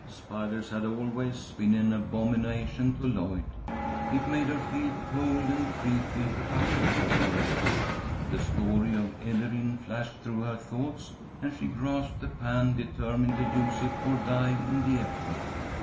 Spiders had always been an abomination to Lloyd. It made her feel cold and creepy to touch a cobweb. But the story of Ederyn flashed through her thoughts, and she grasped the pan, determined to use it or die in the effort.